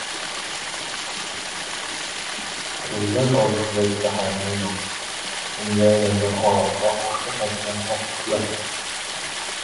Prezident orzusidagi shahar. Mo‘ynoq, qumga aylangan Orol va ortga qaytgan oqqushlar